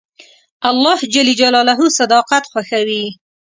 الله صداقت خوښوي.